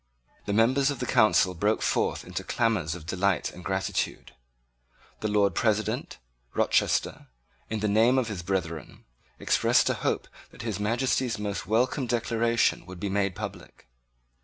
The members of the Council broke forth into clamours of delight and gratitude. The Lord President, Rochester, in the name of his brethren, expressed a hope that His Majesty's most welcome declaration would be made public.